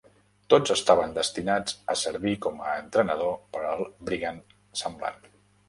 Tots estaven destinats a servir com a entrenador per al Brigand semblant.